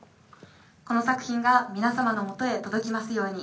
この作品が皆様のもとへ届きますように。